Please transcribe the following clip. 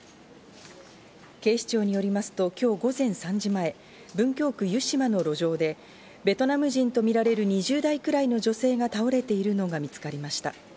警視庁によりますと今日午前３時前、文京区湯島の路上でベトナム人とみられる２０代くらいの女性が倒れているのが見つかりました。